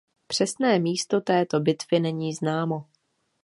Přesné místo této bitvy není známo.